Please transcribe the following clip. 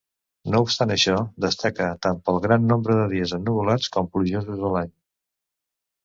No obstant això, destaca tant pel gran nombre de dies ennuvolats com plujosos a l'any.